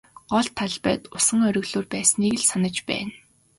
Гол талбайд усан оргилуур байсныг л санаж байна.